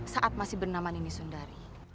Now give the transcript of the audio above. saat masih bernama nini sundari